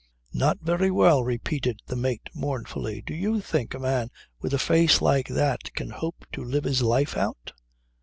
"Not very well," repeated the mate mournfully. "Do you think a man with a face like that can hope to live his life out?